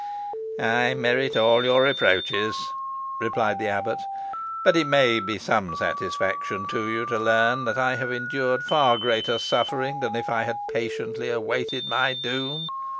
"I merit all your reproaches," replied the abbot; "but it may he some satisfaction, to you to learn, that I have endured far greater suffering than if I had patiently awaited my doom."